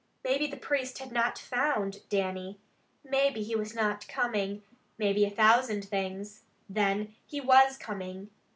Maybe the priest had not found Dannie. Maybe he was not coming. Maybe a thousand things. Then he WAS coming.